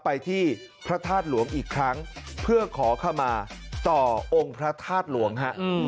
ไปที่พระธาตุหลวงอีกครั้งเพื่อขอขมาต่อองค์พระธาตุหลวงฮะ